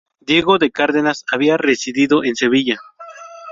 Diego de Cárdenas había residido en Sevilla.